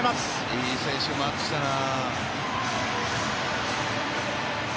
いい選手回ってきたな。